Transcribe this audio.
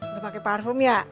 lo pake parfum ya